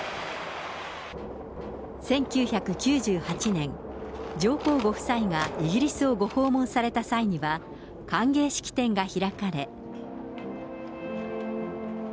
１９９８年、上皇ご夫妻がイギリスをご訪問された際には、歓迎式典が開かれ。